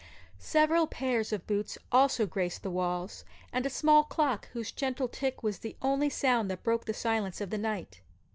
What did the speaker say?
Several pairs of boots also graced the walls, and a small clock, whose gentle tick was the only sound that broke the silence of the night.